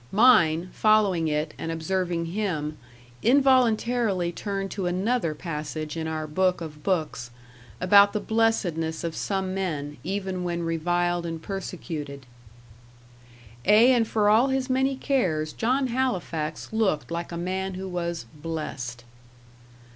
Mine following it, and observing him, involuntarily turned to another passage in our Book of books, about the blessedness of some men, even when reviled and persecuted. Ay, and for all his many cares, John Halifax looked like a man who was "blessed."